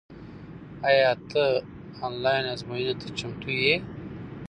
آیا ته آنلاین ازموینې ته چمتو یې؟